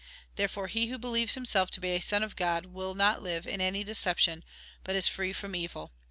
Therefore he who believes himself to be a son of God, will not live in any deception, but is free from 1 66 THE GOSPEL IN BRIEF evil.